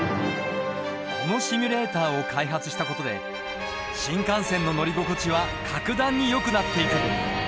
このシミュレーターを開発した事で新幹線の乗り心地は格段によくなっていく。